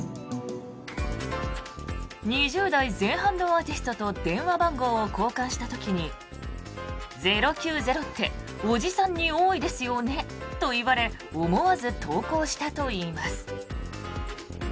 ２０代前半のアーティストと電話番号を交換した時に０９０っておじさんに多いですよねと言われ思わず投稿したといいます。